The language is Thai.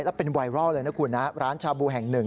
แล้วเป็นไวรัลเลยนะคุณนะร้านชาบูแห่งหนึ่ง